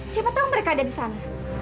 siapa tahu mereka ada di sana